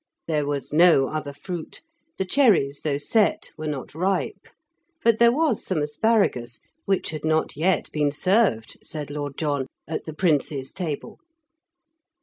There was no other fruit; the cherries, though set, were not ripe; but there was some asparagus, which had not yet been served, said Lord John, at the Prince's table.